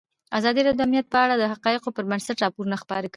ازادي راډیو د امنیت په اړه د حقایقو پر بنسټ راپور خپور کړی.